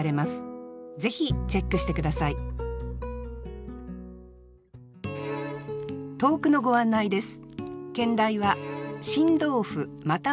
ぜひチェックして下さい投句のご案内です